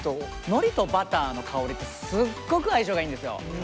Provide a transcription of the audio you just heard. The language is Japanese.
のりとバターの香りってすっごく相性がいいんですよ。